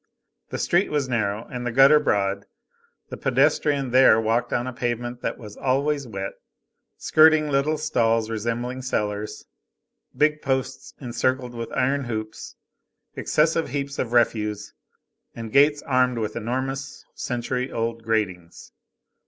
The street was narrow and the gutter broad, the pedestrian there walked on a pavement that was always wet, skirting little stalls resembling cellars, big posts encircled with iron hoops, excessive heaps of refuse, and gates armed with enormous, century old gratings.